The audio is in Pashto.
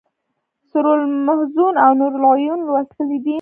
سرور المحزون او نور العیون لوستلی دی.